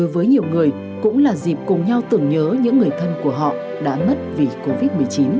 với nhiều người cũng là dịp cùng nhau tưởng nhớ những người thân của họ đã mất vì covid một mươi chín